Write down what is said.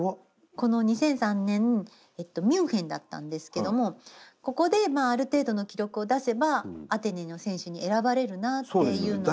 この２００３年ミュンヘンだったんですけどもここでまあある程度の記録を出せばアテネの選手に選ばれるなっていう。